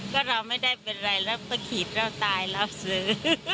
ก็เราไม่ได้เป็นไรแล้วไปขีดเราตายแล้วซื้อ